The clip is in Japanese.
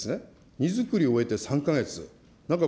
荷造りを終えて３か月、なんかこ